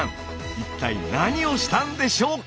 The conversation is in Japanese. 一体何をしたんでしょうか？